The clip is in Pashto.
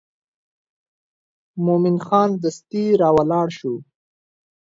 مومن خان دستي راولاړ شو.